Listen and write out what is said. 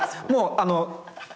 もうあの。